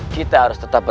kita harus tetap di sini